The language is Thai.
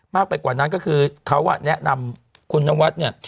มากไปกว่านั้นก็คือเขาแนะนำคุณนวัตต์